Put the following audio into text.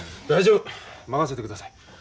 大丈夫任せてください。